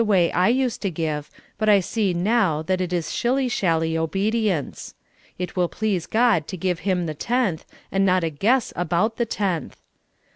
lOI way I used to give, but I see now that is shilly shally obedience. It will please God to give Him the tenth, and not a guess about the tenth.